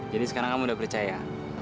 jadi sekarang kamu udah percaya